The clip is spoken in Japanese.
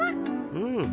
うん。